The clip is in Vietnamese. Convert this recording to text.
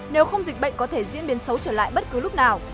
nếu không dịch bệnh có thể diễn biến xấu trở lại bất cứ lúc nào